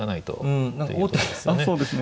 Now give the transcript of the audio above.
うん何か王手ですね。